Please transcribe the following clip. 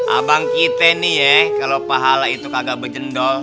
abang kita nih ya kalo pahala itu kaga berjendol